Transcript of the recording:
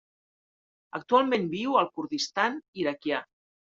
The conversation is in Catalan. Actualment viu al Kurdistan Iraquià.